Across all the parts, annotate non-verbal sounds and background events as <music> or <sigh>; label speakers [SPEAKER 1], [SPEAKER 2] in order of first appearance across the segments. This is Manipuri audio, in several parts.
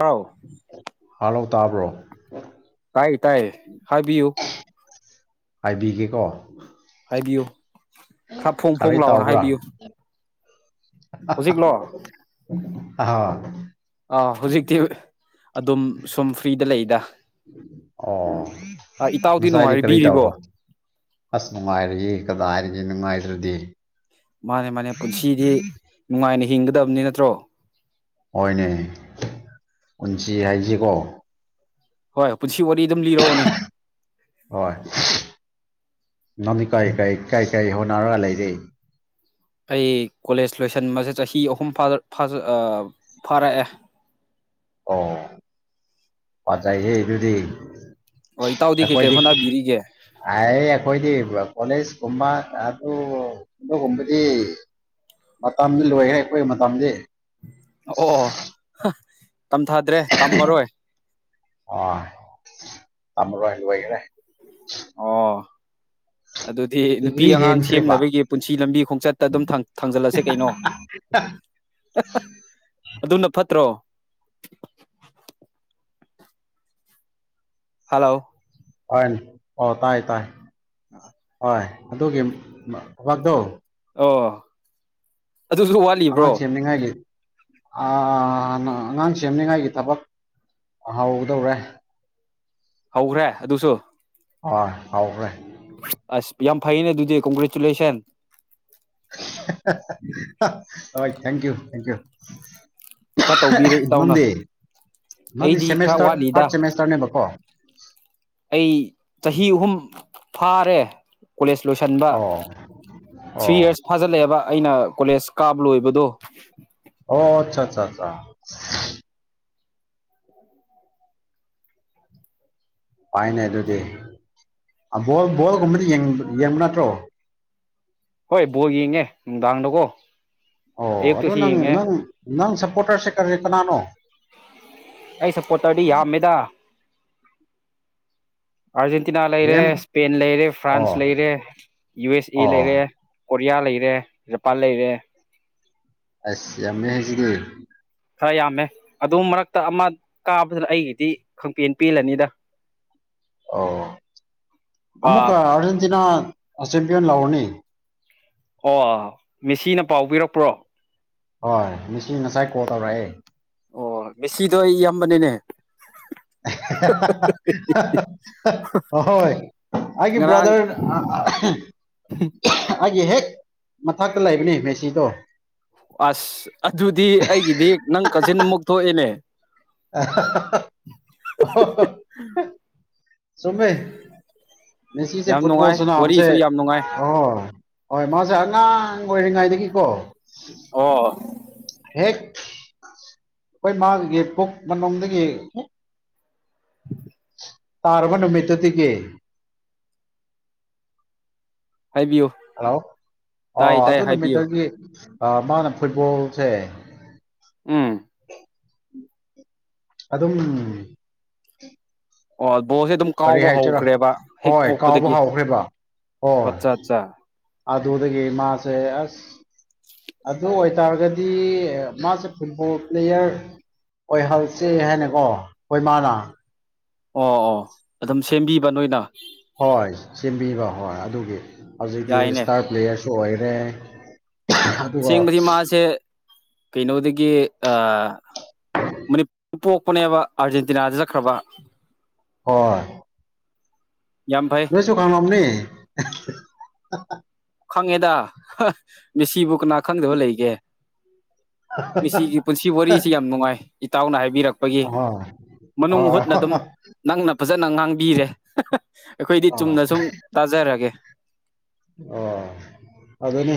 [SPEAKER 1] ꯍꯥꯎ
[SPEAKER 2] ꯍꯥꯥꯜꯂꯣ ꯇꯥꯕ꯭ꯔꯣ
[SPEAKER 1] ꯇꯥꯏ ꯇꯥꯏꯌꯦ ꯍꯥꯏꯕꯤꯌꯨ
[SPEAKER 2] ꯍꯥꯏꯕꯤꯒꯦꯀꯣ
[SPEAKER 1] ꯈꯥꯔ ꯐꯣꯡ ꯐꯣꯡ ꯂꯥꯎꯅ ꯍꯥꯏꯕꯤꯌꯨ ꯍꯧꯖꯤꯛꯂꯣ
[SPEAKER 2] ꯍꯥ ꯍꯥ ꯍꯎ
[SPEAKER 1] ꯑꯥ ꯍꯧꯖꯤꯛꯇꯤ ꯑꯗꯨꯝ ꯁꯨꯝ ꯐ꯭ꯔꯤꯗ ꯂꯩꯗ
[SPEAKER 2] ꯑꯣ
[SPEAKER 1] ꯏꯇꯥꯎꯗꯤ
[SPEAKER 2] ꯉꯁꯥꯏꯗꯤ ꯀꯔꯤ ꯇꯧ
[SPEAKER 1] ꯅꯨꯡꯉꯥꯏꯕꯤꯔꯤꯕꯣ
[SPEAKER 2] ꯕ ꯑꯁ ꯅꯨꯉꯥꯏꯔꯦꯍꯦ ꯀꯗꯥꯏꯗꯒꯤ ꯅꯤꯡꯉꯥꯏꯗ꯭ꯔꯗꯤ
[SPEAKER 1] ꯃꯥꯟꯅꯦ ꯃꯥꯟꯅꯦ ꯄꯨꯟꯁꯤꯗꯤ ꯅꯨꯡꯉꯥꯏꯅ ꯍꯤꯡꯒꯗꯕꯅꯤ ꯅꯠꯇ꯭ꯔꯣ
[SPEAKER 2] ꯍꯣꯏꯅꯦ ꯄꯨꯟꯁꯤ ꯍꯥꯏꯁꯤꯀꯣ
[SPEAKER 1] ꯍꯣꯏ ꯄꯨꯟꯁꯤ ꯋꯥꯔꯤ ꯗꯨꯝ ꯂꯤꯔꯛꯑꯣꯅꯦ
[SPEAKER 2] ꯍꯣꯏ ꯅꯪꯗꯤ ꯀꯩ ꯀ ꯩꯀꯩ ꯀꯩ ꯍꯣꯠꯅꯔꯒ ꯂꯩꯔꯤ
[SPEAKER 1] ꯑꯩ ꯀꯣꯜꯂꯦꯖ ꯂꯣꯏꯁꯟꯕꯁꯦ ꯆꯍꯤ ꯑꯍꯨꯝ ꯐꯥ ꯐꯥꯔꯛꯑꯦ
[SPEAKER 2] ꯑꯣ ꯐꯖꯩꯍꯦ ꯑꯗꯨꯗꯤ
[SPEAKER 1] ꯑꯣ ꯏꯇꯥꯎꯗꯤ ꯀꯩꯀꯩ
[SPEAKER 2] ꯑꯈꯣꯏꯗꯤ
[SPEAKER 1] ꯍꯣꯠꯅꯕꯤꯔꯤꯒꯦ
[SPEAKER 2] ꯑꯩ ꯑꯈꯣꯏꯒꯤ ꯀꯣꯜꯂꯦꯖ ꯀꯨꯝꯕ ꯑꯗꯨ ꯑꯗꯨꯒꯨꯝꯕꯗꯤ ꯃꯇꯝꯗꯤ ꯂꯣꯏꯈ꯭ꯔꯦ ꯑꯈꯣꯏ ꯃꯇꯝꯗꯤ
[SPEAKER 1] ꯑꯣ ꯑꯣ ꯍ ꯇꯝꯊꯥꯗ꯭ꯔꯦ ꯇꯝꯃꯔꯣꯏ
[SPEAKER 2] ꯑ ꯥꯇꯝꯃꯔꯣꯏ ꯂꯣꯏꯒꯔꯦ
[SPEAKER 1] ꯑꯣ
[SPEAKER 2] <inaudible>
[SPEAKER 1] ꯑꯗꯨꯗꯤ ꯅꯨꯄꯤ ꯑꯉꯥꯡ
[SPEAKER 2] ꯍꯦꯟꯈ꯭ꯔꯦꯕ
[SPEAKER 1] ꯁꯦꯝꯅꯕꯒꯤ ꯄꯨꯟꯁꯤ ꯂꯝꯕꯤ ꯈꯣꯡꯆꯠꯇ ꯑꯗꯨꯝ ꯊꯥꯡꯖꯜꯂꯁꯦ ꯀꯩꯅꯣ
[SPEAKER 2] <unintelligible>
[SPEAKER 1] ꯍꯥꯍꯥ ꯑꯗꯨꯅ ꯐꯠꯇ꯭ꯔꯣ ꯍꯜꯂꯣ
[SPEAKER 2] ꯍꯣꯏꯅꯦ ꯑꯣ ꯇꯥꯏ ꯇꯥꯏ ꯍꯣꯏ ꯑꯗꯨꯒꯤ ꯊꯕꯛꯇꯣ
[SPEAKER 1] ꯑꯣ ꯑꯗꯨꯁꯨ ꯋꯥꯠꯂꯤꯕ꯭ꯔꯣ
[SPEAKER 2] ꯑꯉꯥꯡ ꯁꯦꯝꯅꯤꯡꯉꯥꯏꯒꯤ ꯑꯥ ꯅ ꯑꯉꯥꯡ ꯁꯦꯝꯅꯤꯡꯉꯥꯏꯒꯤ ꯊꯕꯛ ꯍꯧꯒꯗꯧꯔꯦ
[SPEAKER 1] ꯍꯧꯈ꯭ꯔꯦ ꯑꯗꯨꯁꯨ
[SPEAKER 2] ꯑꯥ ꯍꯧꯈ꯭ꯔꯦ
[SPEAKER 1] ꯑꯁ ꯌꯥꯝ ꯐꯩꯅꯦ ꯑꯗꯨꯗꯤ ꯀꯣꯡꯒ꯭ꯔꯦꯆꯨꯂꯦꯁꯟ
[SPEAKER 2] ꯍꯦꯍꯦ ꯍꯣꯏ ꯊꯦꯡꯀ꯭ꯌꯨ ꯊꯦꯡꯀ꯭ꯌꯨ
[SPEAKER 1] ꯈꯔ ꯇꯧꯕꯤꯔꯦ ꯏꯇꯥꯎꯅ
[SPEAKER 2] ꯅꯪꯗꯤ ꯅꯪꯗꯤ
[SPEAKER 1] ꯑꯩꯗꯤ ꯈꯔ
[SPEAKER 2] ꯁꯦꯃꯦꯁꯇ꯭ꯔ
[SPEAKER 1] ꯋꯥꯠꯂꯤꯗ
[SPEAKER 2] ꯊꯥꯔꯠ ꯁꯦꯃꯦꯁꯇ꯭ꯔꯅꯦꯕꯀꯣ <inaudible>
[SPEAKER 1] ꯑꯩ ꯆꯍꯤ ꯑꯍꯨꯝ ꯐꯥꯔꯦ ꯀꯣꯂꯦꯖ ꯂꯣꯏꯁꯤꯟꯕ
[SPEAKER 2] ꯑꯣ
[SPEAKER 1] ꯊ꯭ꯔꯤ
[SPEAKER 2] ꯑꯣ
[SPEAKER 1] ꯌꯥꯔꯁ ꯐꯥꯖꯤꯜꯂꯛꯑꯦꯕ ꯑꯩꯅ ꯀꯣꯂꯦꯖ ꯀꯥꯕ ꯂꯣꯏꯕꯗꯣ
[SPEAKER 2] ꯑꯣ ꯑꯆꯥ ꯑꯆꯥꯆꯥ ꯑꯆꯥ ꯄꯥꯏꯅꯦ ꯑꯗꯨꯗꯤ ꯑꯥ ꯕꯣꯜ ꯕꯣꯜꯒꯨꯝꯕꯗꯤ ꯌꯦꯡ ꯌꯦꯡꯕ ꯅꯠꯇ꯭ꯔꯣ
[SPEAKER 1] ꯍꯣꯏ ꯕꯣꯜ ꯌꯦꯡꯉꯦ ꯅꯨꯡꯗꯥꯡꯗꯀꯣ
[SPEAKER 2] ꯑꯣ ꯑꯗꯨ
[SPEAKER 1] ꯑꯌꯨꯛꯇꯁꯨ
[SPEAKER 2] ꯅꯪ
[SPEAKER 1] ꯌꯦꯡꯉꯦ
[SPEAKER 2] ꯅꯪ ꯅꯪ ꯁꯞꯄꯣꯔꯇꯔꯁꯦ ꯀꯔꯤ ꯀꯅꯥꯅꯣ
[SPEAKER 1] ꯑꯩ ꯁꯄꯣꯠꯇꯔꯗꯤ ꯌꯥꯝꯃꯦꯗ ꯑꯥꯔꯖꯦꯟꯇꯤꯅꯥ ꯂꯩꯔꯦ
[SPEAKER 2] ꯑꯦꯝ
[SPEAKER 1] ꯏꯁꯄꯦꯟ ꯂꯩꯔꯦ ꯐ꯭ꯔꯥꯟꯁ
[SPEAKER 2] ꯑꯣ
[SPEAKER 1] ꯂꯩꯔꯦ ꯌꯨ ꯑꯦꯁ ꯑꯦ
[SPEAKER 2] ꯑꯣ
[SPEAKER 1] ꯂꯩꯔꯦ ꯀꯣꯔꯤꯌꯥ ꯂꯩꯔꯦ ꯖꯄꯥꯟ ꯂꯩꯔꯦ
[SPEAKER 2] ꯑꯁ ꯌꯥꯝꯃꯦ ꯍꯦ ꯁꯤꯗꯤ
[SPEAKER 1] ꯈꯔ ꯌꯥꯝꯃꯦ ꯑꯗꯨ ꯃꯔꯛꯇ ꯑꯃ ꯀꯥꯕꯗꯨꯅ ꯑꯩꯒꯤꯗꯤ ꯈꯪꯄꯦꯟ ꯄꯦꯜꯂꯅꯤꯗ
[SPEAKER 2] ꯑꯣ ꯑꯃꯨꯛꯀ ꯑꯔꯖꯦꯟꯇꯤꯅꯥ ꯆꯦꯝꯄꯤꯌꯟ ꯂꯧꯔꯅꯤ
[SPEAKER 1] ꯑꯣ ꯃꯦꯁꯤꯅ ꯄꯥꯎ ꯄꯤꯔꯛꯄ꯭ꯔꯣ
[SPEAKER 2] ꯍꯣꯏ ꯃꯦꯁꯤ ꯉꯁꯥꯏ ꯀꯣꯜ ꯇꯧꯔꯛꯑꯦ
[SPEAKER 1] ꯑꯣ ꯃꯦꯁꯤꯗꯣ ꯑꯩꯒꯤ ꯏꯌꯥꯝꯕꯅꯤꯅꯦ
[SPEAKER 2] ꯑꯍꯥ ꯍꯥꯍꯥꯍꯥꯍꯥ ꯍꯣꯏ ꯑꯩꯒꯤ ꯕꯔꯥꯗꯔ ꯑꯥ ꯑꯍꯝ
[SPEAKER 1] ꯑꯍꯝ
[SPEAKER 2] ꯑꯩꯒꯤ ꯍꯦꯛ ꯃꯊꯛꯇ ꯂꯩꯕꯅꯦ ꯃꯦꯁꯤꯗꯣ
[SPEAKER 1] ꯑꯁ ꯑꯗꯨꯗꯤ ꯑꯩꯒꯤꯗꯤ ꯅꯪ ꯀꯖꯤꯟ ꯑꯃꯨꯛ ꯊꯣꯛꯑꯦꯅꯦ
[SPEAKER 2] ꯑꯍꯥꯍꯥ ꯑꯣꯍꯣꯍꯣ ꯆꯨꯝꯃꯦ ꯃꯦꯁꯤꯁꯦ
[SPEAKER 1] ꯌꯥꯝ
[SPEAKER 2] ꯐꯨꯠꯕꯣꯜ
[SPEAKER 1] ꯅꯨꯡꯉꯥꯏ
[SPEAKER 2] ꯁꯥꯅꯕꯁꯦ
[SPEAKER 1] ꯋꯥꯔꯤꯁꯨ ꯌꯥꯝ ꯅꯨꯡꯉꯥꯏ
[SPEAKER 2] ꯑꯣ ꯍꯣꯏ ꯃꯥꯁꯦ ꯑꯉꯥꯡ ꯑꯣꯏꯔꯤꯉꯩꯗꯒꯤꯀꯣ
[SPEAKER 1] ꯑꯣ
[SPEAKER 2] ꯍꯦꯛ ꯑꯩꯈꯣꯏ ꯃꯥꯒꯤ ꯄꯨꯛ ꯃꯅꯨꯗꯒꯤ ꯇꯥꯔꯕ ꯅꯨꯃꯤꯠꯇꯨꯗꯒꯤ
[SPEAKER 1] ꯍꯥꯏꯕꯤꯌꯨ
[SPEAKER 2] ꯍꯜꯂꯣ ꯑꯣ
[SPEAKER 1] ꯇꯥꯏ ꯇꯥꯏ
[SPEAKER 2] ꯑꯗꯨ
[SPEAKER 1] ꯍꯥꯏꯕꯤꯌꯨ
[SPEAKER 2] ꯅꯨꯃꯤꯠꯇꯒꯤ ꯃꯥꯅ ꯐꯨꯠꯕꯣꯜꯁꯦ
[SPEAKER 1] ꯎꯝ
[SPEAKER 2] ꯑꯗꯨꯝ
[SPEAKER 1] ꯑꯣ ꯕꯣꯜꯁꯦ ꯑꯗꯨꯝ
[SPEAKER 2] ꯀꯔꯤ
[SPEAKER 1] ꯀꯥꯎꯕ
[SPEAKER 2] ꯍꯥꯏꯁꯤꯔꯥ
[SPEAKER 1] ꯍꯧꯈ꯭ꯔꯦꯕ ꯍꯦꯛ
[SPEAKER 2] ꯍꯣꯏ ꯀꯥꯎꯕ
[SPEAKER 1] ꯄꯣꯛꯄꯗꯒꯤ
[SPEAKER 2] ꯍꯧꯈ꯭ꯔꯦꯕ ꯍꯣꯏ
[SPEAKER 1] ꯑꯠꯆꯥ ꯑꯠꯆꯥ
[SPEAKER 2] ꯑꯗꯨꯗꯒꯤ ꯃꯥꯁꯦ ꯑꯁ ꯑꯗꯨ ꯑꯣꯏꯇꯥꯔꯒꯗꯤ ꯃꯥꯁꯦ ꯐꯨꯠꯕꯣꯜ ꯄ꯭ꯂꯦꯌꯔ ꯍꯣꯏ ꯍꯡꯁꯦ ꯍꯥꯏꯅꯀꯣ ꯍꯣꯏ ꯃꯥꯅ
[SPEAKER 1] ꯑꯣ ꯑꯣ ꯑꯗꯨꯝ ꯁꯦꯝꯕꯤꯕ ꯅꯣꯏꯅ
[SPEAKER 2] ꯍꯣꯏ ꯁꯦꯝꯕꯤꯕ ꯍꯣꯏ ꯑꯗꯨꯒꯤ ꯍꯧꯖꯤꯛꯇꯤ
[SPEAKER 1] ꯌꯥꯏꯅꯦ
[SPEAKER 2] ꯏꯁꯇꯥꯔ ꯄ꯭ꯂꯦꯌꯔ ꯑꯣꯏꯔꯦ ꯑꯗꯨꯒ
[SPEAKER 1] ꯑꯁꯦꯡꯕꯗꯤ ꯃꯥꯁꯦ ꯀꯩꯅꯣꯗꯒꯤ ꯑꯥ ꯃꯅꯤꯄꯨꯔ ꯄꯣꯛꯄꯅꯦꯕ ꯑꯥꯔꯖꯦꯟꯇꯤꯅꯥꯗ ꯆꯠꯈ꯭ꯔꯕ
[SPEAKER 2] ꯍꯣꯏ
[SPEAKER 1] ꯌꯥꯝ ꯐꯩ
[SPEAKER 2] ꯅꯣꯏꯁꯨ ꯈꯡꯉꯝꯅꯤ
[SPEAKER 1] ꯈꯪꯉꯦꯗ ꯍꯥ ꯃꯤꯁꯤꯕꯨ ꯀꯅꯥ ꯈꯪꯗꯕ ꯂꯩꯒꯦ ꯃꯤꯁꯤꯒꯤ ꯄꯨꯟꯁꯤ ꯋꯥꯔꯤꯁꯤ ꯌꯥꯝ ꯅꯨꯡꯉꯥꯏ ꯏꯇꯥꯎꯅ ꯍꯥꯏꯕꯤꯔꯛ ꯄꯒꯤ
[SPEAKER 2] ꯑꯍꯣꯏ
[SPEAKER 1] ꯃꯅꯨꯡ
[SPEAKER 2] ꯑꯣ
[SPEAKER 1] ꯍꯨꯠꯅ ꯑꯗꯨꯝ ꯅꯪꯅ ꯐꯖꯅ ꯉꯥꯡꯕꯤꯔꯦ ꯑꯩꯈꯣꯏꯗꯤ
[SPEAKER 2] ꯑꯣ
[SPEAKER 1] ꯆꯨꯝꯅ ꯁꯨꯝ ꯇꯥꯖꯔꯒꯦ
[SPEAKER 2] ꯑꯣ ꯑꯗꯨꯅꯦ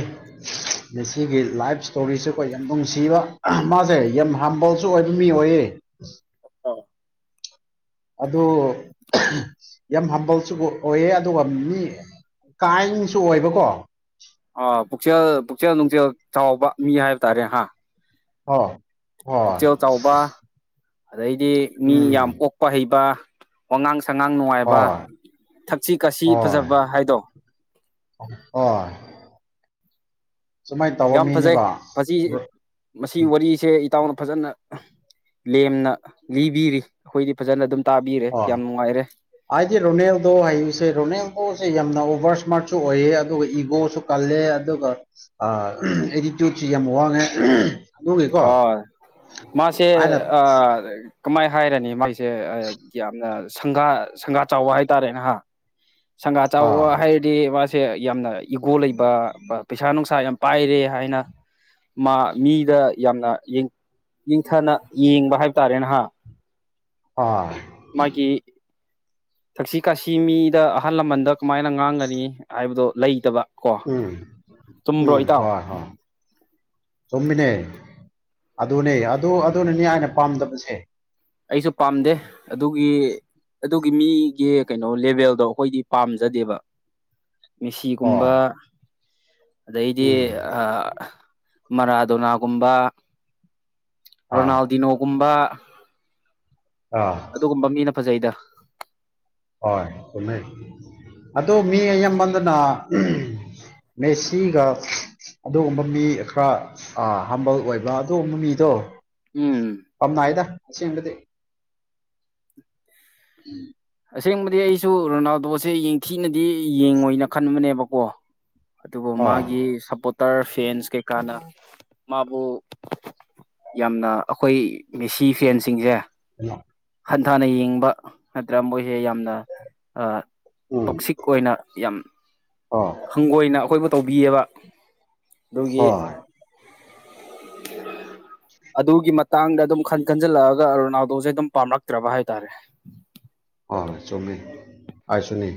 [SPEAKER 2] ꯃꯦꯁꯤꯒꯤ ꯂꯥꯏꯐ ꯏꯁꯇꯣꯔꯤꯁꯦ ꯑꯩꯈꯣꯏ ꯌꯥꯝ ꯅꯨꯡꯁꯤꯕ ꯃꯥꯁꯦ ꯌꯥꯝ ꯍꯥꯝꯕꯜꯁꯨ ꯑꯣꯏꯕ ꯃꯤ ꯑꯣꯏꯌꯦ <inaudible>
[SPEAKER 1] ꯑꯥ
[SPEAKER 2] ꯑꯗꯨ ꯌꯥꯝ ꯍꯝꯕꯜꯁꯨ ꯑꯣꯏꯌꯦ ꯑꯗꯨꯒ ꯃꯤ ꯀꯥꯏꯟꯁꯨ ꯑꯣꯏꯕꯀꯣ
[SPEAKER 1] ꯑꯥ ꯄꯨꯛꯆꯦꯜ ꯄꯨꯛꯆꯦꯜ ꯅꯨꯡꯖꯦꯜ ꯆꯥꯎꯕ ꯃꯤ ꯍꯥꯏꯕ ꯇꯥꯔꯦ ꯍꯥ
[SPEAKER 2] ꯑꯣ ꯍꯣꯢ
[SPEAKER 1] ꯄꯨꯛꯆꯦꯜ ꯆꯥꯎꯕ ꯑꯗꯩꯗꯤ ꯃꯤ ꯌꯥꯝ ꯑꯣꯛꯄ ꯍꯩꯕ ꯋꯥꯉꯥꯡ ꯁꯉꯥꯡ ꯅꯨꯡꯉꯥꯏꯕ
[SPEAKER 2] ꯍꯣꯏ
[SPEAKER 1] ꯊꯛꯁꯤ ꯈꯥꯁꯤ ꯐꯖꯕ ꯍꯥꯏꯗꯣ
[SPEAKER 2] ꯑꯣ ꯍꯣꯏ ꯁꯨꯃꯥꯏꯅ ꯇꯧꯕ
[SPEAKER 1] ꯌꯥꯝ ꯐꯖꯩ
[SPEAKER 2] ꯃꯤꯅꯦꯕ
[SPEAKER 1] ꯃꯁꯤ
[SPEAKER 2] ꯕ꯭ꯔ-
[SPEAKER 1] ꯃꯁꯤ ꯋꯥꯔꯤꯁꯦ ꯏꯇꯥꯎꯅ ꯐꯖꯅ ꯂꯦꯝꯅ ꯂꯤꯕꯤꯔꯤ ꯑꯩꯈꯣꯏꯗꯤ ꯐꯖꯅ ꯑꯗꯨꯝ ꯇꯥꯕꯤꯔꯦ ꯌꯥꯝ
[SPEAKER 2] ꯑꯣ
[SPEAKER 1] ꯅꯨꯡꯉꯥꯏꯔꯦ
[SPEAKER 2] ꯍꯥꯏꯗꯤ ꯔꯣꯅꯦꯜꯗꯣ ꯍꯥꯏꯁꯦ ꯔꯣꯅꯦꯜꯗꯣꯁꯦ ꯌꯥꯝꯅ ꯅꯧ ꯈꯔ ꯏꯁꯃꯥꯔꯠꯁꯨ ꯑꯣꯏꯌꯦ ꯑꯗꯨꯒ ꯏꯒꯣꯁꯨ ꯀꯜꯂꯦ ꯑꯗꯨꯒ ꯑꯦꯇꯤꯇ꯭ꯌꯨꯠꯁꯨ ꯌꯥꯝ ꯋꯥꯡꯉꯦ ꯑꯍꯝ
[SPEAKER 1] ꯑꯣꯏ ꯃꯥꯁꯦ
[SPEAKER 2] ꯑꯩꯅ
[SPEAKER 1] ꯑꯥ ꯀꯃꯥꯏ ꯍꯥꯏꯔꯅꯤ ꯃꯥꯏꯁꯦ ꯑꯥ ꯌꯥꯝꯅ ꯁꯪꯒꯥ ꯁꯪꯒꯥ ꯆꯥꯎꯕ ꯍꯥꯏꯇꯥꯔꯦꯅꯦ ꯍꯥ ꯁꯪꯒꯥ ꯆꯥꯎꯕ
[SPEAKER 2] ꯑꯥ
[SPEAKER 1] ꯍꯥꯏꯔꯗꯤ ꯃꯥꯁꯦ ꯌꯥꯝꯅ ꯏꯒꯣ ꯂꯩꯕ ꯄꯩꯁꯥ ꯅꯨꯡꯁꯥ ꯌꯥꯝ ꯄꯥꯏꯔꯦ ꯍꯥꯏꯅ ꯃꯥ ꯃꯤꯗ ꯌꯥꯝꯅ ꯌꯦꯡꯊꯅ ꯌꯦꯡꯕ ꯍꯥꯏꯕ ꯇꯥꯔꯦꯅꯦ ꯍꯥ
[SPEAKER 2] ꯑꯥ
[SPEAKER 1] ꯃꯥꯒꯤ ꯊꯛꯁꯤ ꯈꯥꯁꯤ ꯃꯤꯗ ꯑꯍꯜ ꯂꯃꯟꯗ ꯀꯃꯥꯏꯅ ꯉꯥꯡꯒꯅꯤ ꯍꯥꯏꯕꯗꯣ ꯂꯩꯇꯕ ꯀꯣ
[SPEAKER 2] ꯎꯝ
[SPEAKER 1] ꯆꯨꯝꯕ꯭ꯔꯣ
[SPEAKER 2] ꯎꯝ
[SPEAKER 1] ꯏꯇꯥꯎ
[SPEAKER 2] ꯍꯣꯏ ꯍꯣꯏ ꯆꯨꯝꯃꯤꯅꯦ ꯑꯗꯨꯅꯦ ꯑꯗꯨ ꯑꯗꯨꯅꯅꯦ ꯑꯩꯅ ꯄꯥꯝꯗꯕꯁꯦ
[SPEAKER 1] ꯑꯩꯁꯨ ꯄꯥꯝꯗꯦ ꯑꯗꯨꯒꯤ ꯑꯗꯨꯒꯤ ꯃꯤꯒꯤ ꯀꯩꯅꯣ ꯂꯦꯚꯦꯜꯗꯣ ꯑꯩꯈꯣꯏꯗꯤ ꯄꯥꯝꯖꯗꯦꯕ ꯃꯦꯁꯤꯒꯨꯝꯕ
[SPEAKER 2] ꯍꯣꯏ
[SPEAKER 1] ꯑꯗꯩꯗꯤ
[SPEAKER 2] ꯎꯝ
[SPEAKER 1] ꯑꯥ ꯃꯔꯥꯗꯣꯅꯥꯒꯨꯝꯕ
[SPEAKER 2] ꯑꯥ
[SPEAKER 1] ꯔꯣꯅꯥꯜꯗꯤꯅꯣꯒꯨꯝꯕ
[SPEAKER 2] ꯑꯥ
[SPEAKER 1] ꯑꯗꯨꯒꯨꯝꯕ ꯃꯤꯅ ꯐꯖꯩꯗ
[SPEAKER 2] ꯍꯣꯏ ꯆꯨꯝꯃꯦ ꯑꯗꯣ ꯃꯤ ꯑꯌꯥꯝꯕꯗꯅ ꯃꯦꯁꯤꯒ ꯑꯗꯨꯒꯨꯝꯕ ꯃꯤ ꯈꯔ ꯍꯥꯝꯕꯜ ꯑꯣꯏꯕ ꯑꯗꯨꯒꯨꯝꯕ ꯃꯤꯗꯣ
[SPEAKER 1] ꯎꯝ
[SPEAKER 2] ꯅꯥꯏꯗ ꯑꯁꯦꯡꯕꯗꯤ
[SPEAKER 1] ꯑꯁꯦꯡꯕꯗꯤ ꯑꯩꯁꯨ ꯔꯣꯅꯥꯜꯗꯣꯁꯦ ꯌꯦꯊꯤꯅꯗꯤ ꯌꯦꯡꯉꯣꯏꯅ ꯈꯟꯕꯅꯦꯕꯀꯣ ꯑꯗꯨꯕꯨ
[SPEAKER 2] ꯑꯥ
[SPEAKER 1] ꯃꯥꯒꯤ ꯁꯞꯄꯣꯔꯇꯔ ꯐꯦꯟꯁ ꯀꯩꯀꯥꯅ ꯃꯥꯕꯨ ꯌꯥꯝꯅ ꯑꯩꯈꯣꯏ ꯃꯦꯁꯤ ꯐꯦꯟꯁꯤꯡꯁꯦ
[SPEAKER 2] <unintelligible>
[SPEAKER 1] ꯍꯟꯊꯅ ꯌꯦꯡꯕ ꯅꯠꯇ꯭ꯔ ꯃꯣꯏ ꯁꯦ ꯌꯥꯝꯅ ꯑꯥ
[SPEAKER 2] ꯎꯝ
[SPEAKER 1] ꯇꯣꯛꯁꯤꯛ ꯑꯣꯏꯅ ꯌꯥꯝ
[SPEAKER 2] ꯑꯥ
[SPEAKER 1] ꯍꯪꯒꯣꯏꯅ ꯑꯩꯈꯣꯏꯕꯨ ꯇꯧꯕꯤꯌꯦꯕ ꯑꯗꯨꯒꯤ
[SPEAKER 2] ꯍꯣꯏ
[SPEAKER 1] ꯑꯗꯨꯒꯤ ꯃꯇꯥꯡꯗ ꯑꯗꯨꯝ ꯈꯟ ꯈꯟꯖꯜꯂꯛꯑꯒ ꯔꯣꯅꯥꯗꯣꯁꯦ ꯑꯗꯨꯝ ꯄꯥꯝꯂꯛꯇ꯭ꯔꯕ ꯍꯥꯏꯇꯥꯔꯦ
[SPEAKER 2] ꯍꯣꯏ ꯍꯣꯏ ꯆꯨꯝꯃꯦ ꯑꯩꯁꯨꯅꯤ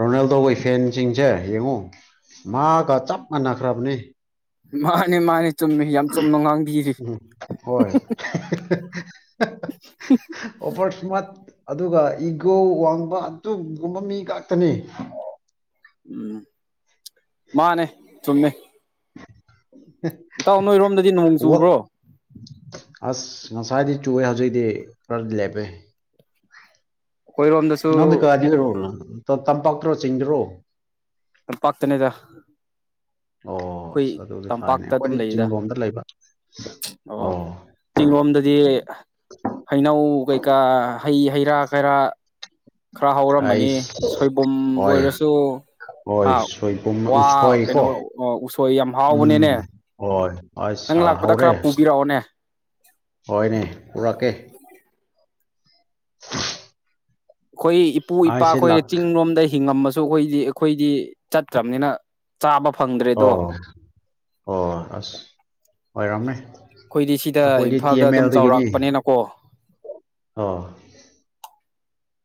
[SPEAKER 2] ꯔꯣꯅꯦꯜꯗꯣꯍꯣꯏ ꯐꯦꯟꯁꯤꯡꯁꯦ ꯌꯦꯡꯉꯣ ꯃꯥꯒ ꯆꯞ ꯃꯥꯟꯅꯈ꯭ꯔꯕꯅꯦ
[SPEAKER 1] ꯃꯥꯅꯤ ꯃꯥꯅꯤ
[SPEAKER 2] ꯎꯝ ꯍꯣꯏ <unintelligible> ꯑꯣꯕꯔ ꯁ꯭ꯃꯥ꯭ꯔꯠ ꯑꯗꯨꯒ ꯏꯒꯣ ꯋꯥꯡꯕ ꯑꯗꯨꯒꯨꯝꯕ ꯃꯤ ꯉꯥꯛꯇꯅꯤ
[SPEAKER 1] ꯎꯝ ꯃꯥꯅꯦ ꯆꯨꯝꯃꯦ ꯏꯇꯥꯎ ꯅꯣꯏꯔꯣꯝꯗꯗꯤ ꯅꯣꯡ
[SPEAKER 2] ꯍꯦ ꯋꯥ
[SPEAKER 1] ꯆꯨꯕ꯭ꯔꯣ
[SPEAKER 2] ꯑꯁ ꯉꯁꯥꯏꯗꯤ ꯆꯨꯋꯦ ꯍꯧꯖꯤꯛꯤ ꯈꯔꯗꯤ ꯂꯦꯞꯄꯦ
[SPEAKER 1] ꯑꯩꯈꯣꯏꯔꯣꯝꯗꯁꯨ
[SPEAKER 2] ꯅꯪ ꯀꯔꯥꯏ ꯗꯩꯩꯔꯣ ꯇꯝꯄꯥꯛꯇ꯭ꯔꯣ ꯆꯁꯤꯡꯗꯔꯣ
[SPEAKER 1] ꯇꯝꯄꯥꯛ ꯇꯅꯤꯗ
[SPEAKER 2] ꯑꯣ ꯑꯗꯨꯗꯤ ꯐꯩꯅꯦ ꯑꯩꯈꯣꯏꯗꯤ
[SPEAKER 1] ꯂꯩꯗ
[SPEAKER 2] ꯆꯤꯡꯔꯣꯝꯗ ꯂꯩꯕ ꯑꯣ
[SPEAKER 1] ꯆꯤꯡꯔꯣꯝꯗꯗꯤ ꯍꯩꯅꯧ ꯀꯩꯀꯥ ꯍꯩ ꯍꯩꯔꯥ ꯀꯩꯔꯥ ꯈꯔ ꯍꯧꯔꯝꯃꯅꯤ
[SPEAKER 2] ꯑꯩꯁ
[SPEAKER 1] ꯁꯣꯏꯕꯨꯝ
[SPEAKER 2] ꯍꯣꯏ
[SPEAKER 1] ꯑꯣꯏꯔꯁꯨ
[SPEAKER 2] ꯍꯣꯏ
[SPEAKER 1] ꯑꯥ
[SPEAKER 2] ꯁꯣꯏꯕꯨꯝ
[SPEAKER 1] ꯋꯥ
[SPEAKER 2] ꯎꯁꯣꯏ
[SPEAKER 1] ꯀꯩꯅꯣ
[SPEAKER 2] ꯀꯣ
[SPEAKER 1] ꯎꯁꯣꯏ ꯌꯥꯝ ꯍꯥꯎꯕꯅꯤꯅꯦ
[SPEAKER 2] ꯎꯝ ꯍꯣꯏ
[SPEAKER 1] ꯅꯪ
[SPEAKER 2] ꯑꯁ
[SPEAKER 1] ꯂꯥꯛꯄꯗ ꯈꯔ ꯄꯨꯕꯤꯔꯛꯑꯣꯅꯦ
[SPEAKER 2] ꯍꯣꯌꯅꯦ ꯄꯨꯔꯛꯀꯦ <inaudible>
[SPEAKER 1] ꯑꯩꯈꯣꯏ ꯏꯄꯨ
[SPEAKER 2] ꯑꯩꯁꯦ
[SPEAKER 1] ꯏꯄꯥꯈꯣꯏ
[SPEAKER 2] ꯂꯥꯛ
[SPEAKER 1] ꯆꯤꯡꯂꯣꯝꯗ ꯍꯤꯡꯉꯝꯃꯁꯨ ꯑꯩꯈꯣꯏꯗꯤ ꯑꯩꯈꯣꯏꯗꯤ ꯆꯠꯇꯔꯥꯕꯅꯤꯅ ꯆꯥꯕ ꯐꯪꯗ꯭ꯔꯦꯗꯣ
[SPEAKER 2] ꯑꯣ ꯑꯣ ꯑꯁ ꯑꯣꯏꯔꯝꯅꯦ
[SPEAKER 1] ꯑꯩꯈꯣꯏꯗꯤ ꯁꯤꯗ
[SPEAKER 2] ꯑꯩꯈꯣꯏꯗꯤ ꯇꯤ
[SPEAKER 1] ꯏꯝꯐꯥꯜꯗ
[SPEAKER 2] ꯑꯦꯝ
[SPEAKER 1] ꯑꯗꯨꯝ
[SPEAKER 2] ꯑꯦꯜꯗꯒꯤꯅꯤ
[SPEAKER 1] ꯆꯥꯎꯔꯛꯄꯅꯤꯅꯀꯣ
[SPEAKER 2] ꯑꯣ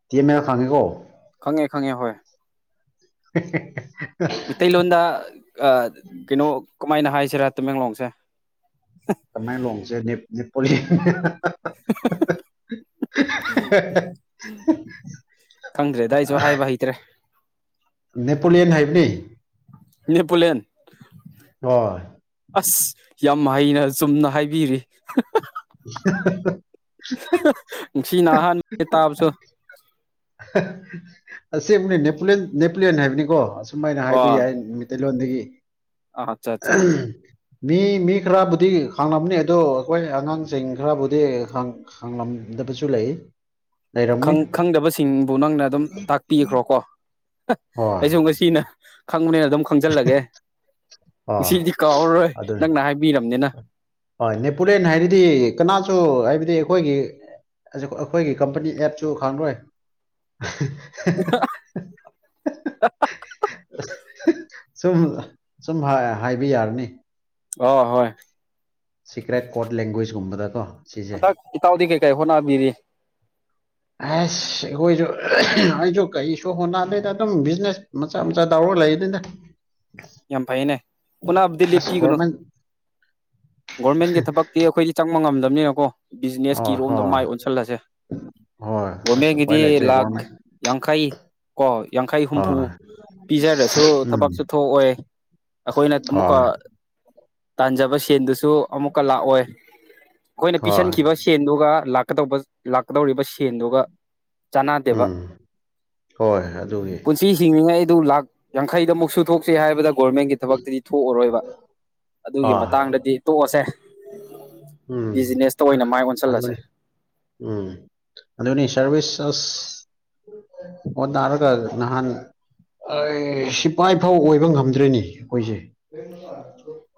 [SPEAKER 2] ꯇꯤ ꯑꯦꯃ ꯑꯦꯜ ꯈꯪꯉꯦꯀꯣ
[SPEAKER 1] ꯈꯪꯉꯦ ꯈꯪꯉꯦ ꯍꯣꯏ ꯃꯩꯇꯩꯂꯣꯟꯗ ꯑꯥ ꯀꯩꯅꯣ ꯀꯃꯥꯏꯅ ꯍꯥꯏꯁꯤ ꯁꯤꯔꯥ ꯇꯃꯦꯡꯂꯣꯡꯁꯦ
[SPEAKER 2] ꯇꯥꯃꯦꯟꯂꯣꯡꯁꯦ ꯅꯤꯄꯣꯂꯤ ꯍꯦ ꯍꯥ ꯍꯥ
[SPEAKER 1] ꯍꯥ ꯍꯥ ꯍꯥ ꯈꯪꯗ꯭ꯔꯦꯗ ꯑꯩꯁꯨ ꯍꯥꯏꯕ ꯍꯩꯇ꯭ꯔꯦ
[SPEAKER 2] ꯅꯦꯄꯣꯂꯤꯌꯥꯟ ꯍꯥꯏꯕꯅꯤ
[SPEAKER 1] ꯅꯦꯄꯣꯂꯤꯌꯟ
[SPEAKER 2] ꯍꯣꯏ
[SPEAKER 1] ꯑꯁ ꯌꯥꯝ ꯍꯩꯅ ꯆꯨꯝꯅ ꯍꯥꯏꯕꯤꯔꯤ ꯉꯥꯁꯤꯅꯥ ꯑꯍꯟꯕꯥꯅꯦ ꯇꯥꯕꯁꯨ
[SPEAKER 2] ꯑꯍꯥ ꯑꯁꯦꯡꯕꯅꯤ ꯅꯦꯄꯣꯂꯤꯌꯟ ꯅꯦꯄꯣꯂꯤꯌꯟ ꯍꯥꯏꯕꯅꯤꯀꯣ ꯑꯁꯨꯃꯥꯏꯅ ꯍꯥꯏꯕ ꯌꯥꯏ ꯃꯩꯇꯩꯂꯣꯟꯗꯒꯤ
[SPEAKER 1] ꯑꯥ ꯆꯥ ꯑꯆꯥ
[SPEAKER 2] ꯃꯤ ꯃꯤ ꯈꯔꯕꯨꯗꯤ ꯈꯡꯂꯝꯅꯤ ꯑꯗꯣ ꯑꯩꯈꯣꯏ ꯑꯉꯥꯡ ꯆꯤꯡ ꯈꯔꯕꯨꯗꯤ ꯍꯥꯡꯂꯝꯗꯕꯁꯨ ꯂꯩ ꯂꯩꯔꯝꯅꯤ
[SPEAKER 1] ꯈꯪꯗꯕꯁꯤꯡꯕꯨ ꯅꯪꯅ ꯑꯗꯨꯝ ꯇꯥꯛꯄꯤꯈ꯭ꯔꯣꯀꯣ
[SPEAKER 2] ꯍꯣꯏ
[SPEAKER 1] ꯑꯩꯁꯨ ꯉꯁꯤꯅ ꯈꯪꯕꯅꯤꯅ ꯑꯗꯨꯝ ꯈꯪꯖꯜꯂꯒꯦ
[SPEAKER 2] ꯑꯥ
[SPEAKER 1] ꯉꯁꯤꯗꯤ ꯀꯥꯎꯔꯔꯣꯏ
[SPEAKER 2] ꯑꯗꯨꯅꯤ
[SPEAKER 1] ꯅꯪꯅ ꯍꯥꯏꯕꯤꯔ
[SPEAKER 2] ꯍꯣꯏ ꯅꯦꯄꯣꯂꯤꯌꯥꯟ ꯍꯥꯏꯔꯤꯗꯤ ꯀꯅꯥꯁꯨ ꯁꯨ ꯍꯥꯏꯕꯗꯤ ꯑꯩꯈꯣꯏꯒꯤ ꯑꯩꯈꯣꯏꯒꯤ ꯀꯝꯄꯅꯤ ꯑꯦꯞꯁꯨ ꯈꯪꯂꯣꯏ
[SPEAKER 1] ꯎꯍ ꯍꯥ ꯍꯥ <unintelligible>
[SPEAKER 2] ꯁꯨꯝ ꯁꯨꯝ ꯍꯥꯏꯕ ꯌꯥꯔꯅꯤ
[SPEAKER 1] ꯑꯣ ꯍꯣꯏ
[SPEAKER 2] ꯁꯤꯀ꯭ꯔꯦꯠ ꯀꯣꯔꯠ ꯂꯦꯡꯒ꯭ꯋꯦꯖꯀꯨꯝꯕꯗ ꯀꯣ
[SPEAKER 1] ꯍꯟꯗꯛ ꯏꯇꯥꯎꯗꯤ ꯀꯩꯀꯩ ꯍꯣꯠꯅꯕꯤꯔꯤ
[SPEAKER 2] ꯑꯁ ꯑꯩꯈꯣꯏꯁꯨ ꯑꯩꯁꯨ ꯀꯩꯁꯨ ꯍꯣꯟꯅꯗꯦꯗ ꯑꯗꯨꯝ ꯕꯤꯖꯤꯅꯦꯁ ꯃꯆꯥ ꯃꯆꯥ ꯇꯧꯔꯒ ꯂꯩ <inaudible>
[SPEAKER 1] ꯌꯥꯝ ꯐꯩꯅꯦ ꯍꯣꯠꯅꯥꯕꯗꯤ
[SPEAKER 2] ꯑꯁ
[SPEAKER 1] ꯂꯞꯄꯤꯒꯅꯨ
[SPEAKER 2] ꯒꯣꯔꯃꯦꯟ
[SPEAKER 1] ꯒꯣꯔꯃꯦꯟꯒꯤ ꯊꯕꯛꯇꯤ ꯑꯩꯈꯣꯏꯗꯤ ꯆꯪꯕ ꯉꯝꯗꯕꯅꯤꯅꯀꯣ
[SPEAKER 2] ꯑꯣ
[SPEAKER 1] ꯕꯤꯖꯤꯅꯦꯁꯀꯤꯔꯣꯝꯗ ꯃꯥꯏ
[SPEAKER 2] ꯍꯣꯏ
[SPEAKER 1] ꯑꯣꯟꯁꯤꯜꯂꯁꯦ
[SPEAKER 2] ꯍꯣꯏ ꯑꯁ ꯎꯄꯥꯏ
[SPEAKER 1] ꯒꯚꯣꯔꯃꯦꯟꯒꯤꯗꯤ
[SPEAKER 2] ꯂꯩꯇ꯭ꯔꯦ ꯒꯣꯔꯃꯦꯟ
[SPEAKER 1] ꯂꯥꯈ ꯌꯥꯡꯈꯩ ꯀꯣ ꯌꯥꯡꯈꯩ ꯍꯨꯝꯐꯨ
[SPEAKER 2] ꯍꯣꯏ
[SPEAKER 1] ꯄꯤꯖꯔꯁꯨ
[SPEAKER 2] ꯎꯝ
[SPEAKER 1] ꯊꯕꯛꯁꯨ ꯊꯣꯛꯑꯣꯢ ꯑꯩꯈꯣꯏꯅ ꯑꯃꯨꯛꯀ
[SPEAKER 2] ꯍꯣꯏ
[SPEAKER 1] ꯇꯥꯟꯖꯕ ꯁꯦꯟꯗꯨꯁꯨ ꯑꯃꯨꯛꯀ ꯂꯥꯛꯑꯣꯏ ꯑꯩꯈꯣꯏꯅ
[SPEAKER 2] ꯍꯣꯏ
[SPEAKER 1] ꯄꯤꯁꯤꯟꯈꯤꯕ ꯁꯦꯟꯗꯨꯒ ꯀꯗꯧꯕ ꯂꯥꯛꯀꯗꯧꯔꯤꯕ ꯁꯦꯟꯗꯨꯒ ꯆꯅꯗꯦꯕ
[SPEAKER 2] ꯎꯝ ꯍꯣꯏ ꯑꯗꯨꯒꯤ
[SPEAKER 1] ꯄꯨꯟꯁꯤ ꯍꯤꯡꯂꯤꯉꯩ ꯑꯗꯨ ꯂꯥꯛ ꯌꯥꯡꯈꯩꯗ ꯑꯃꯨꯛ ꯁꯨ ꯊꯣꯛꯆꯦ ꯍꯥꯏꯕꯗ ꯒꯣꯔꯃꯦꯟꯒꯤ ꯊꯕꯛꯇꯗꯤ ꯊꯣꯛꯑꯔꯣꯏꯕ ꯑꯗꯨꯒꯤ
[SPEAKER 2] ꯑꯥ
[SPEAKER 1] ꯃꯇꯥꯡꯗꯗꯤ ꯇꯣꯛꯑꯁꯦ
[SPEAKER 2] ꯎꯝ
[SPEAKER 1] ꯕꯤꯖꯤꯅꯦꯁꯇ ꯑꯣꯏꯅ ꯃꯥꯏ ꯑꯣꯟꯁꯤꯜꯂꯁꯦ
[SPEAKER 2] ꯑꯗꯨꯅꯤ ꯎꯝ ꯑꯗꯨꯅꯤ ꯁꯔꯚꯤꯁ ꯑꯁ ꯑꯣꯅꯔꯒ ꯅꯍꯥꯟ ꯑꯩ ꯁꯤꯐꯥꯏꯐꯥꯎ ꯑꯣꯏꯕ ꯉꯝꯗ꯭ꯔꯅꯦ ꯑꯩꯈꯣꯏꯁꯦ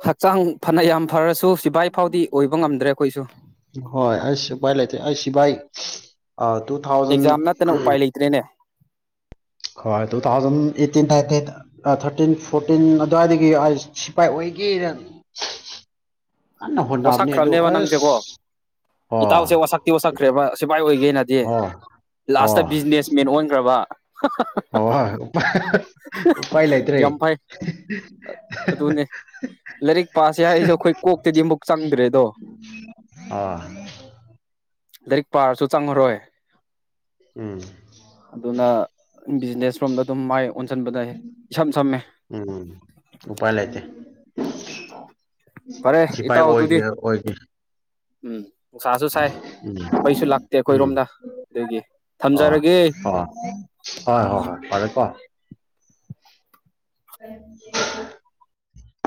[SPEAKER 1] ꯍꯛꯆꯥꯡ ꯐꯅ ꯌꯥꯝ ꯐꯔꯁꯨ ꯁꯤꯕꯥꯏ ꯐꯥꯎꯗꯤ ꯑꯣꯏꯕ ꯉꯝꯗ꯭ꯔꯦ ꯑꯩꯈꯣꯏꯁꯨ
[SPEAKER 2] ꯍꯣꯏ ꯑꯩ ꯁꯤꯄꯥꯏ ꯂꯩꯇꯦ ꯑꯩ ꯁꯤꯚꯥꯏ ꯇꯨ ꯊꯥꯎꯖꯟ
[SPEAKER 1] ꯑꯦꯛꯖꯥꯝ ꯅꯠꯇꯅ ꯎꯄꯥꯏ ꯂꯩꯇ꯭ꯔꯦꯅꯦ
[SPEAKER 2] ꯍꯣꯏ two thousand eighteen nineteen thirteen fourteen ꯑꯗꯨꯋꯥꯏꯗꯒꯤꯑꯩ ꯁꯤꯐꯥꯢ ꯑꯀꯟꯅ ꯍꯣꯠꯅꯕꯅꯦ ꯑꯗꯨ
[SPEAKER 1] ꯋꯥꯁꯛꯈ꯭ꯔꯕꯅꯦꯕ
[SPEAKER 2] ꯑꯁ
[SPEAKER 1] ꯅꯪꯁꯦꯀꯣ ꯏꯇꯥꯎꯁꯦ
[SPEAKER 2] ꯑꯣ
[SPEAKER 1] ꯋꯥꯁꯛꯇꯤ ꯋꯥꯁꯛꯈ꯭ꯔꯦꯕ ꯁꯤꯐꯥꯏ ꯑꯣꯏꯒꯦꯅꯗꯤ ꯂꯥꯁꯇ
[SPEAKER 2] ꯑꯣ
[SPEAKER 1] ꯕꯤꯖꯤꯅꯦꯁ ꯃꯦꯟ ꯑꯣꯟꯈꯒ꯭ꯔꯕ
[SPEAKER 2] <unintelligible> ꯎꯄꯥꯏ ꯂꯩꯇ꯭ꯔꯦ ꯍꯦ
[SPEAKER 1] ꯌꯥꯝ
[SPEAKER 2] ꯍꯦ
[SPEAKER 1] ꯐꯩ ꯑꯗꯨꯅꯦ ꯂꯥꯏꯔꯤꯛ ꯄꯥꯁꯦ ꯍꯥꯏꯔꯤꯁꯦ ꯑꯩꯈꯣꯏ ꯀꯣꯛꯇꯗꯤ ꯑꯃꯨꯛ ꯆꯪꯗ꯭ꯔꯦꯗꯣ
[SPEAKER 2] ꯑꯥ
[SPEAKER 1] ꯂꯥꯏꯔꯤꯛ ꯄꯥꯔꯁꯨ ꯆꯪꯉꯔꯣꯏ
[SPEAKER 2] ꯎꯝ
[SPEAKER 1] ꯑꯗꯨꯅ ꯕꯤꯖꯤꯅꯦꯁ ꯔꯣꯝꯗ ꯑꯗꯨꯝ ꯃꯥꯏ ꯑꯣꯟꯁꯤꯟꯕꯗ ꯏꯁꯝ ꯁꯝꯃꯦ
[SPEAKER 2] ꯎꯄꯥꯥꯏ ꯂꯩꯥꯏꯇꯦ
[SPEAKER 1] ꯐꯔꯦ
[SPEAKER 2] ꯁꯤꯐꯥꯏ
[SPEAKER 1] ꯏꯇꯥꯎ ꯑꯗꯨꯗꯤ
[SPEAKER 2] ꯑꯣꯏꯒꯦꯔ ꯑꯣꯏꯒꯦ
[SPEAKER 1] ꯎꯝ ꯅꯨꯡꯁꯥꯁꯨ ꯁꯥꯏ
[SPEAKER 2] ꯎꯝ
[SPEAKER 1] ꯃꯩꯁꯨ ꯂꯥꯛꯇꯦ
[SPEAKER 2] ꯎꯝ
[SPEAKER 1] ꯑꯩꯈꯣꯏꯔꯣꯝꯗ ꯑꯗꯨꯒꯤ
[SPEAKER 2] ꯑꯥ
[SPEAKER 1] ꯊꯝꯖꯔꯒꯦ
[SPEAKER 2] ꯑꯥ ꯍꯣꯏ ꯍꯣꯏ ꯍꯣꯏ ꯐꯔꯦ ꯀꯣ <inaudible>